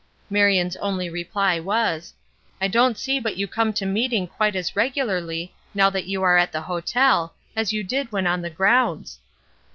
Marion's only reply was: "I don't see but you come to meeting quite as regularly, now that you are at the hotel, as you did when on the grounds."